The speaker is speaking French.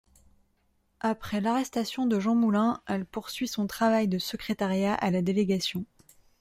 Après l'arrestation de Jean Moulin, elle poursuit son travail de secrétariat à la délégation.